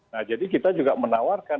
nah jadi kita juga menawarkan